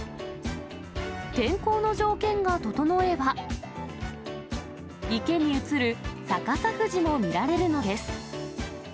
天候の条件が整えば、池に映る逆さ富士も見られるのです。